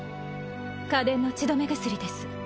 家伝の血止め薬です。